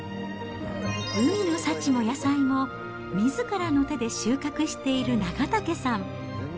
海の幸も野菜も、みずからの手で収穫している長竹さん。